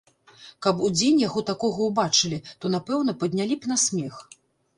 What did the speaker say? Каб удзень яго такога ўбачылі, то, напэўна, паднялі б на смех.